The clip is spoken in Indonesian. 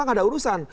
nggak ada urusan